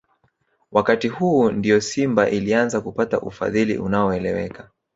Wakati huu ndio Simba ilianza kupata ufadhili unaoeleweka